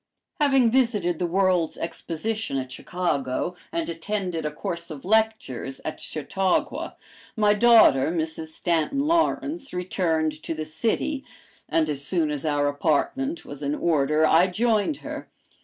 Having visited the World's Exposition at Chicago and attended a course of lectures at Chautauqua, my daughter, Mrs. Stanton Lawrence, returned to the city, and as soon as our apartment was in order I joined her.